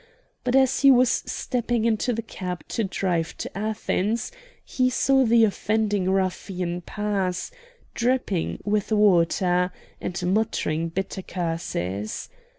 But as he was stepping into the cab to drive to Athens, he saw the offending ruffian pass, dripping with water, and muttering bitter curses.